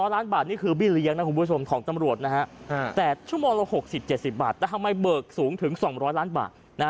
๒๐๐ล้านบาทนี่คือบิเลี้ยงนะคุณผู้ชมของตำรวจนะฮะ